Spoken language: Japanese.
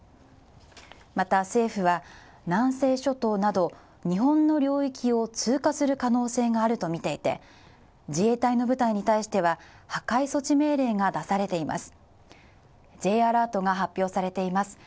また、政府は南西諸島など日本の領域を通過する可能性があるとみていて自衛隊の部隊に対しては破壊措置命令が出されています。